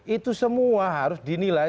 itu semua harus dinilai